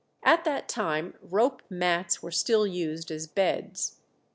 At that time rope mats were still used as beds.